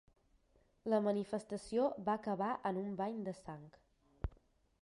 La manifestació va acabar en un bany de sang.